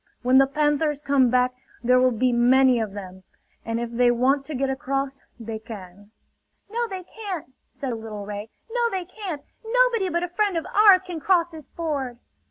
When the panthers come back there will be many of them; and if they want to get across they can." "No they can't," said a little ray. "No they can't! Nobody but a friend of ours can cross this ford!"